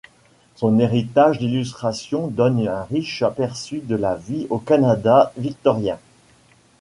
Son héritage d'illustrations donne un riche aperçu de la vie au Canada victorien.